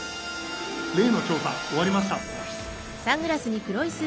例の調査終わりました。